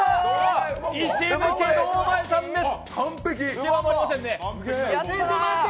一抜け堂前さんです。